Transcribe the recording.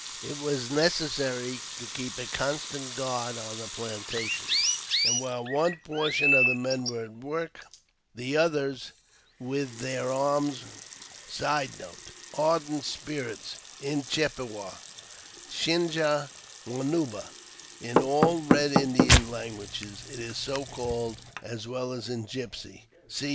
It was necessary to keep a constant guard on the planta tions, and while one portion of the men were at work, the * Ardent spirits. In Chippewa, shinga wauba. In all Eed Indian languages it is so called, as well as in Gypsy.